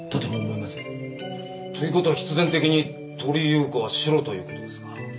という事は必然的に鳥居優子はシロという事ですか？